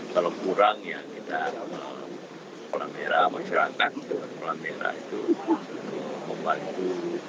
kalau kurang ya kita palang merah masyarakat palang merah itu membantu